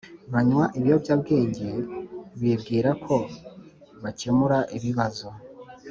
banywa ibiyobyabwenge bibwira ko bakemura ibibazo